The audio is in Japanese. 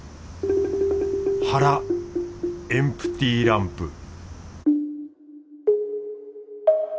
腹エンプティーランプ